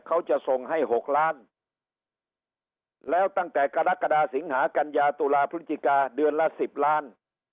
เขาจะส่งให้๖ล้านแล้วตั้งแต่กรกฎาสิงหากัญญาตุลาพฤศจิกาเดือนละ๑๐ล้าน